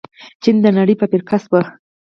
چین د نړۍ فابریکه شوه.